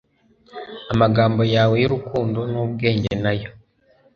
amagambo yawe y'urukundo n'ubwenge nayo